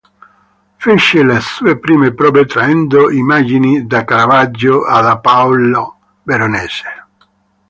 Fece le sue prime prove traendo immagini da Caravaggio e da Paolo Veronese.